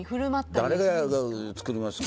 誰が作りますか。